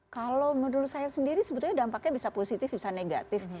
kalau menurut saya sendiri sebetulnya dampaknya bisa positif bisa negatif